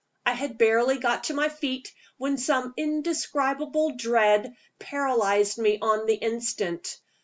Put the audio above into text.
I had barely got to my feet, when some indescribable dread paralyzed me on the instant.